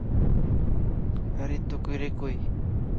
Kari tukuyrikuy